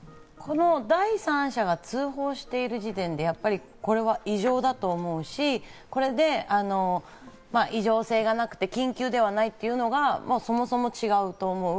第三者が通報している時点でこれは異常だと思うし、異常性がなくて緊急ではないというのがそもそも違うと思う。